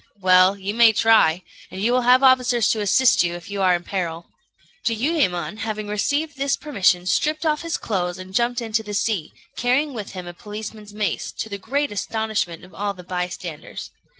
"Well, you may try; and you will have officers to assist you, if you are in peril." Jiuyémon, having received this permission, stripped off his clothes and jumped into the sea, carrying with him a policeman's mace, to the great astonishment of all the bystanders.